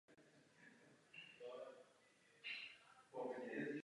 Dále pomáhá zhodnotit kvalitu komunikace na jednotlivých místech.